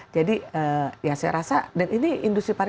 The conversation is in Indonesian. jadi ya saya rasa dan ini industri perusahaan